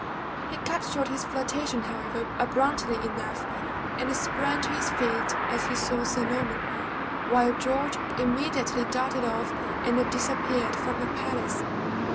He cut short his flirtation, however, abruptly enough, and sprang to his feet as he saw Sir Norman, while George immediately darted off and disappeared from the palace.